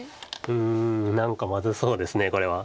うん何かまずそうですこれは。